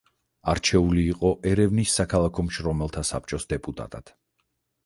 არჩეული იყო ერევნის საქალაქო მშრომელთა საბჭოს დეპუტატად.